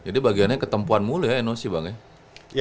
jadi bagiannya ketempuan mulu ya nos bang ya